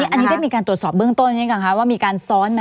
อันนี้ได้มีการตรวจสอบเบื้องต้นยังคะว่ามีการซ้อนไหม